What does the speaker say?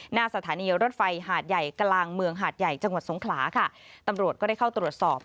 หน้าสถานีรถไฟหาดใหญ่กลางเมืองหาดใหญ่จังหวัดสงขลาค่ะตำรวจก็ได้เข้าตรวจสอบ